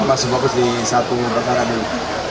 masih fokus di satu perkara dulu